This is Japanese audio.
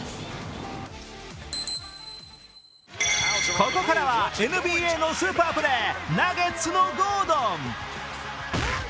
ここからはＮＢＡのスーパープレーナゲッツのゴードン。